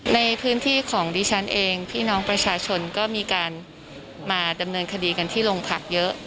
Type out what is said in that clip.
ในพื้นที่ของดิฉันเองพี่น้องประชาชนก็มีการมาดำเนินคดีกันที่โรงพักเยอะ